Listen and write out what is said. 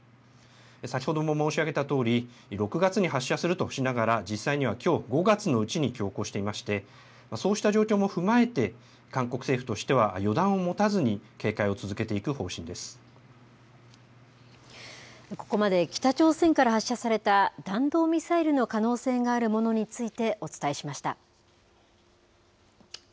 先ほども申し上げたとおり、６月に発射するとしながら、実際にはきょう５月のうちに強行していまして、そうした状況も踏まえて、韓国政府としては予断を持たずに警戒を続けていく方針でここまで北朝鮮から発射された弾道ミサイルの可能性があるものについて、お伝えしました。